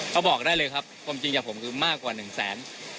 เขาบอกได้เลยครับความจริงจากผมคือมากกว่าหนึ่งแสน